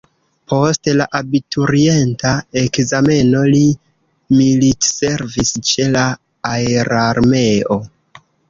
Post la abiturienta ekzameno li militservis ĉe la aerarmeo.